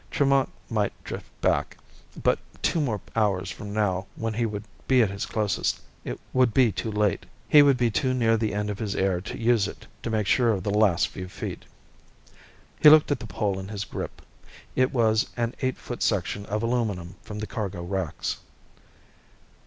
Tremont might drift back, but two more hours from now, when he would be at his closest, would be too late. He would be too near the end of his air to use it to make sure of the last few feet. He looked at the pole in his grip. It was an eight foot section of aluminum from the cargo racks.